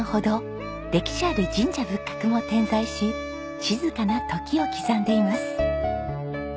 歴史ある神社仏閣も点在し静かな時を刻んでいます。